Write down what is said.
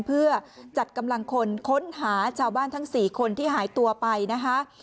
เพื่อจัดกำลังคนค้นหาชาวบ้านทั้ง๔คนที่หายตัวไปนะคะ